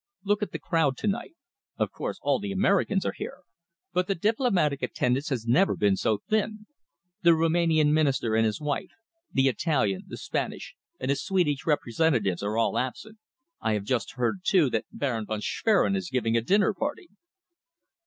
Look at the crowd to night. Of course, all the Americans are here, but the diplomatic attendance has never been so thin. The Rumanian Minister and his wife, the Italian, the Spanish, and the Swedish representatives are all absent. I have just heard, too, that Baron von Schwerin is giving a dinner party."